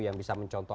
yang bisa mencontoh